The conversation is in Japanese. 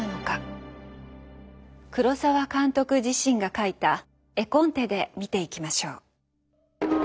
黒澤監督自身が描いた絵コンテで見ていきましょう。